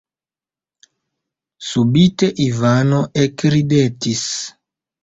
Subite Ivano ekridetis.